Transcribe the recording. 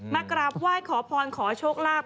กราบไหว้ขอพรขอโชคลาภ